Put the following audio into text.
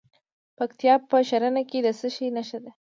د پکتیکا په ښرنه کې د څه شي نښې دي؟